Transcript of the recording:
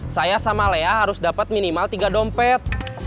saya sama lea harus dapat minimal tiga dompet